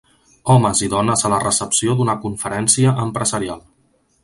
Homes i dones a la recepció d'una conferència empresarial